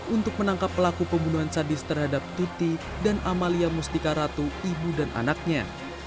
untuk menangkap pelaku pembunuhan sadis terhadap tuti dan amalia mustika ratu ibu dan anaknya